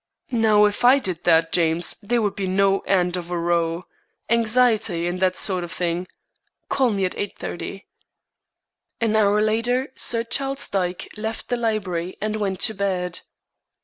Now if I did that, James, there would be no end of a row. Anxiety, and that sort of thing. Call me at 8.30." An hour later Sir Charles Dyke left the library and went to bed.